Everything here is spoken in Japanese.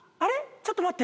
ちょっと待って。